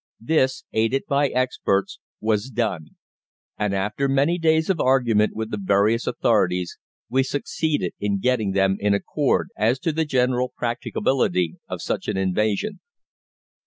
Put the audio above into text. This, aided by experts, was done: and after many days of argument with the various authorities, we succeeded in getting them in accord as to the general practicability of an invasion.